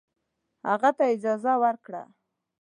هغه ته یې اجازه ورکړه.